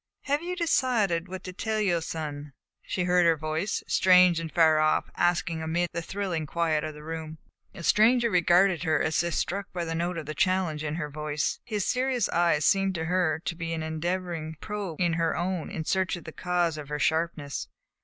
"Have you decided what to tell your son?" she heard her voice, strange and far off, asking amid the thrilling quiet of the room. The stranger regarded her as if struck by the note of challenge in her tone. His serious eyes seemed to her to be endeavoring to probe her own in search of the cause of her sharpness.